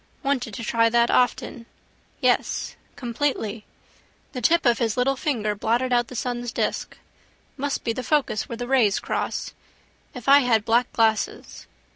Wanted to try that often. Yes: completely. The tip of his little finger blotted out the sun's disk. Must be the focus where the rays cross. If I had black glasses.